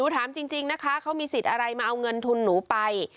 ถามจริงนะคะเขามีสิทธิ์อะไรมาเอาเงินทุนหนูไป